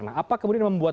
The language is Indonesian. nah apa kemudian membuat